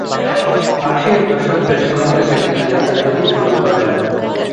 আশির দশকের শুরু থেকে তিনি লেখালেখি শুরু করেন।